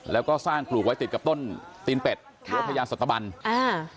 แล้วก็สร้างปลูกไว้ติดกับต้นตีนเป็ดหรือว่าพญาสตบันอ่า